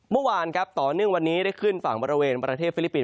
เมื่อวานครับต่อเนื่องวันนี้ได้ขึ้นฝั่งบริเวณประเทศฟิลิปปินส